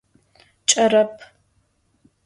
Ç'erep.